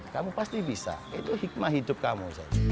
kamu pasti bisa itu hikmah hidup kamu